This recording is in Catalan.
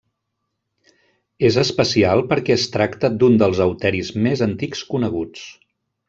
És especial perquè es tracta d'un dels euteris més antics coneguts.